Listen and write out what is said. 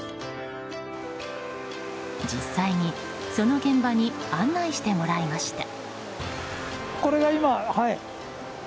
実際に、その現場に案内してもらいました。